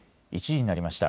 １時になりました。